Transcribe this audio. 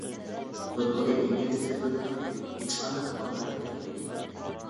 تۇرقىدا ئىنگلىز تىلى بىلىدىغاندەك ھېچقانداق ئالامەت يوق ئىدى.